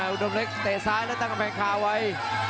อุดมเล็กเตะซ้ายแล้วตั้งกำแพงคาไว้